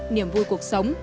niềm vui cuộc sống